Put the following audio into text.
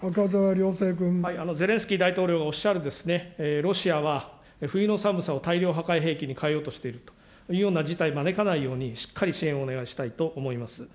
ゼレンスキー大統領がおっしゃる、ロシアは冬の寒さを大量破壊兵器に変えようとしているというような事態をまねかないように、しっかり支援をお願いしたいと思います。